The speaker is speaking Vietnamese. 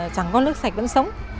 chẳng có nước sạch vẫn sống